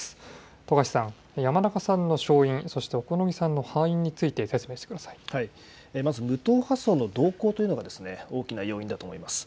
徳橋さん山中さんの勝因そして小此木さんの敗因についてまず無党派層の動向というのが大きな要因だと思います。